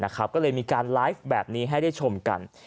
ก็เลยมีการไลฟ์แบบนี้ให้ได้ชมกัน